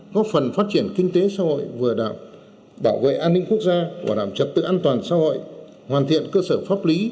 góp phần phát triển kinh tế xã hội vừa đạo bảo vệ an ninh quốc gia bảo đảm trật tự an toàn xã hội hoàn thiện cơ sở pháp lý